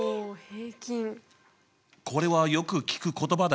これはよく聞く言葉だよね？